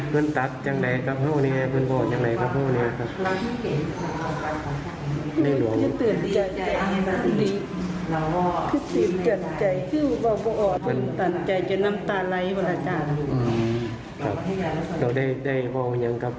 พี่สาวของเธอเป็นคนไข้ในพระบรมราชานุเคราะห์ครับ